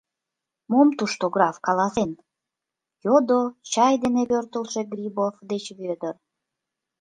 — Мом тушто граф каласен? — йодо чай дене пӧртылшӧ Грибов деч Вӧдыр.